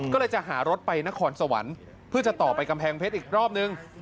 ก็เลยจะหารถไปนครสวรรค์เพื่อจะต่อไปกำแพงเพชรอีกรอบนึง